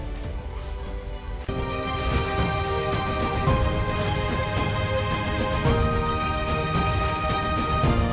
bagaimana k rebirth mereka di jakarta